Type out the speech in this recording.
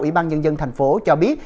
ủy ban nhân dân thành phố cho biết